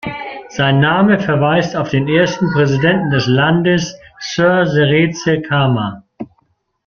Sein Name verweist auf den ersten Präsidenten des Landes Sir Seretse Khama.